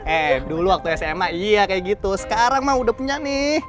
eh dulu waktu sma iya kayak gitu sekarang mah udah punya nih